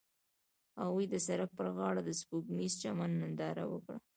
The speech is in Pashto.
هغوی د سړک پر غاړه د سپوږمیز چمن ننداره وکړه.